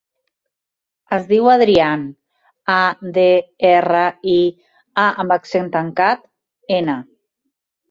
Es diu Adrián: a, de, erra, i, a amb accent tancat, ena.